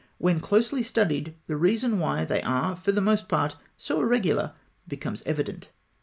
When closely studied, the reason why they are for the most part so irregular becomes evident.